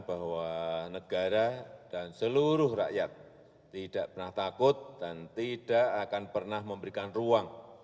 bahwa negara dan seluruh rakyat tidak pernah takut dan tidak akan pernah memberikan ruang